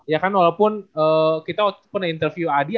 ya kan walaupun kita waktu pernah interview adi